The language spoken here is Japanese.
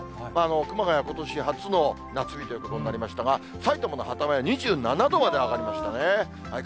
熊谷、ことし初の夏日ということになりましたが、埼玉の鳩山が２７度まで上がりましたね。